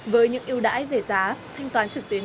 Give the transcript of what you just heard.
với những yêu đãi về giá thanh toán trực tuyến